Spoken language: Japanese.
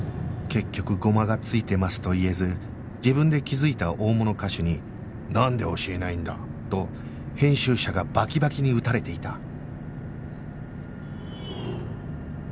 結局「ゴマが付いてます」と言えず自分で気づいた大物歌手に「なんで教えないんだ？」と編集者がバキバキに打たれていた